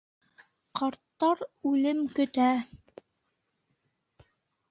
Ҡарттар үлем көтә.